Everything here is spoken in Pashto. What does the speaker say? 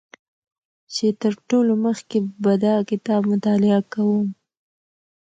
چې تر ټولو مخکې به دا کتاب مطالعه کوم